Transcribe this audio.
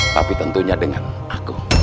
tapi tentunya dengan aku